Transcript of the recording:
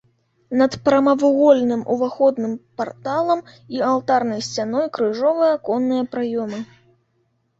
Над прамавугольным уваходным парталам і алтарнай сцяной крыжовыя аконныя праёмы.